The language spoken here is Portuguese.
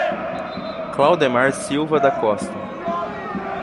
Claudemar Silva da Costa